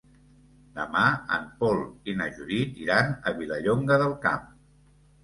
Demà en Pol i na Judit iran a Vilallonga del Camp.